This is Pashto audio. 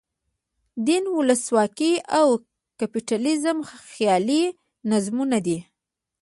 دین، ولسواکي او کپیټالیزم خیالي نظمونه دي.